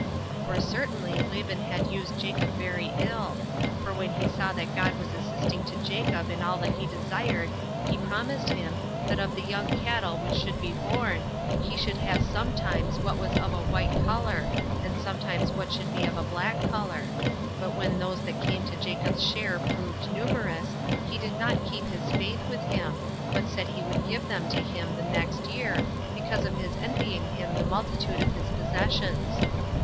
For certainly Laban had used Jacob very ill; for when he saw that God was assisting to Jacob in all that he desired, he promised him, that of the young cattle which should be born, he should have sometimes what was of a white color, and sometimes what should be of a black color; but when those that came to Jacob's share proved numerous, he did not keep his faith with him, but said he would give them to him the next year, because of his envying him the multitude of his possessions.